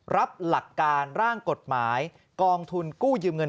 รับหลักการร่างกฎหมายกองทุนกู้ยืมเงิน